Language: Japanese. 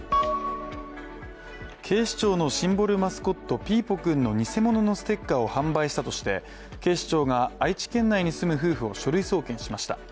警視庁のシンボルマスコット、ピーポくんの偽物のステッカーを販売したとして警視庁が愛知県内に住む夫婦を書類送検しました。